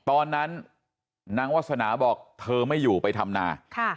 ตอนนั้นนางวาสนาบอกเธอไม่อยู่ไปทำนา